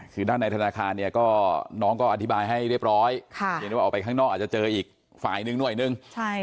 คือด้านในธนาคารเนี่ยก็น้องก็อธิบายให้เรียบร้อยเห็นได้ว่าออกไปข้างนอกอาจจะเจออีกฝ่ายหนึ่งหน่วยหนึ่ง